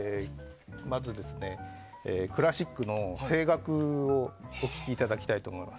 まず、クラシックの声楽をお聴きいただきたいと思います。